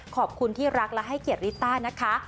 ขอบคุณที่รักและให้เกียรติริต้านะคะ